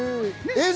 映像？